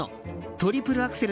トリプルアクセル。